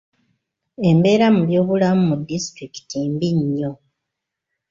Embeera mu byobulamu mu disitulikiti mbi nnyo.